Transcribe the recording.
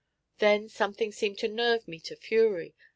Then something seemed to nerve me to fury.